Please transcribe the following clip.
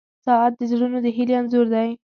• ساعت د زړونو د هیلې انځور دی.